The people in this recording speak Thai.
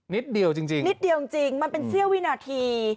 นิดเดียวจริงมันเป็นเสี้ยววินาที